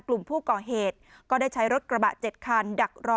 กลุ่มผู้ก่อเหตุก็ได้ใช้รถกระบะ๗คันดักรอ